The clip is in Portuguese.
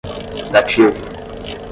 dativo